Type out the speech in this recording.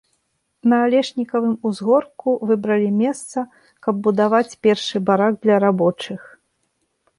На алешнікавым узгорку выбралі месца, каб будаваць першы барак для рабочых.